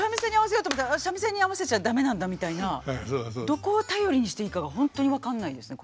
どこを頼りにしていいかがホントに分かんないんですね